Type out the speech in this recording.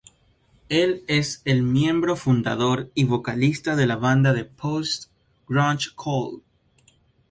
Él es el miembro fundador y vocalista de la banda de post-grunge Cold.